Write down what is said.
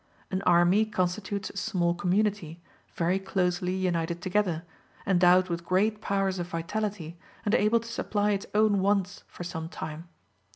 An army constitutes a small community, very closely united together, endowed with great powers of vitality, and able to supply its own wants for some time.